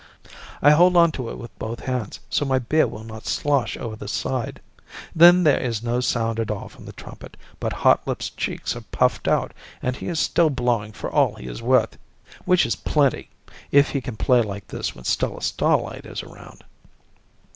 I hold on to it with both hands, so my beer will not slosh over the side. Then there is no sound at all from the trumpet, but Hotlips' cheeks are puffed out and he is still blowing for all he is worth which is plenty, if he can play like this when Stella Starlight is around.